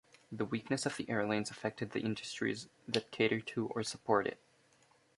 The weakness of the airlines affected the industries that cater to or support it.